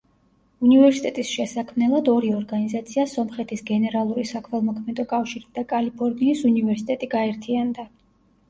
უნივერსიტეტის შესაქმნელად ორი ორგანიზაცია სომხეთის გენერალური საქველმოქმედო კავშირი და კალიფორნიის უნივერსიტეტი გაერთიანდა.